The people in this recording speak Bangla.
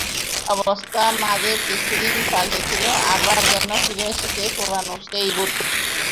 অবস্থা মাঝে কিছুদিন পাল্টেছিল, আবার যেন ফিরে এসেছে পুরোনো সেই ভূত।